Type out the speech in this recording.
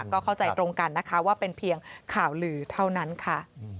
ก็เข้าใจตรงกันนะคะว่าเป็นเพียงข่าวลือเท่านั้นค่ะ